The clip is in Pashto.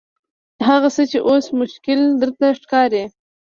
هغه څه چې اوس مشکل درته ښکاري.